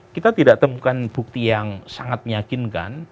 kita tidak temukan bukti yang sangat meyakinkan